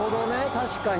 確かに。